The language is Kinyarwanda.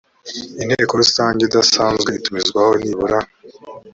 inteko rusange idasanzwe itumizwa nibura